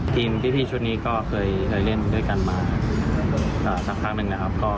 ทีมพี่ชุดนี้ก็เคยเล่นด้วยกันมาสักพักหนึ่ง